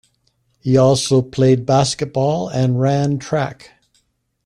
He also played basketball and ran track.